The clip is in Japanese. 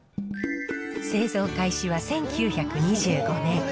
製造開始は１９２５年。